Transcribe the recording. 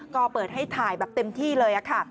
ก็เปิดให้ถ่ายแบบเต็มที่เลยค่ะ